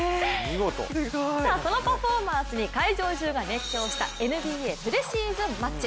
そのパフォーマンスに会場が熱狂したＮＢＡプレシーズンマッチ。